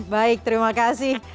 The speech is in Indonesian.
baik terima kasih